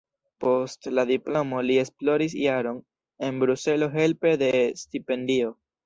Post la diplomo li esploris jaron en Bruselo helpe de stipendio.